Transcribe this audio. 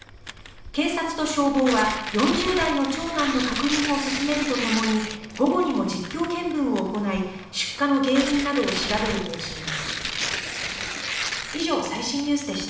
警察と消防は４０代の長男の確認を進めるとともに午後にも実況見分を行い出火の原因などを調べる方針です。